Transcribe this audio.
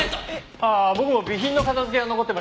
ああ僕も備品の片付けが残ってました。